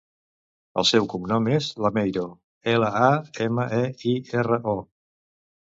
El seu cognom és Lameiro: ela, a, ema, e, i, erra, o.